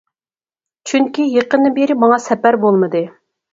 چۈنكى يېقىندىن بېرى ماڭا سەپەر بولمىدى.